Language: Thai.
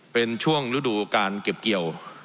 เป็นช่วงฤดูการเก็บเกี่ยว